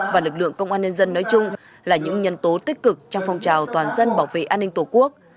và lực lượng công an nhân dân nói chung là những nhân tố tích cực trong phong trào toàn dân bảo vệ an ninh tổ quốc